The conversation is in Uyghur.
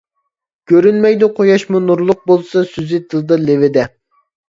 كۆرۈنمەيدۇ قۇياشمۇ نۇرلۇق، بولسا سۆزى تىلدا لېۋىدە.